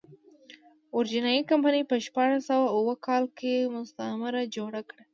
ویرجینیا کمپنۍ په شپاړس سوه اووه کال کې مستعمره جوړه کړه.